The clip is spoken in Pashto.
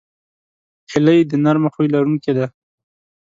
هیلۍ د نرمه خوی لرونکې ده